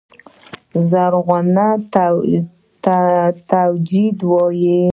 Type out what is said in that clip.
زرغونه تجوید وايي.